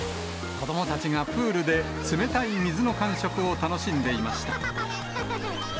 子どもたちがプールで冷たい水の感触を楽しんでいました。